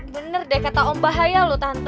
bener deh kata om bahaya loh tanto